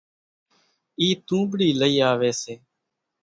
اِي تونٻڙِي لئِي آويَ سي۔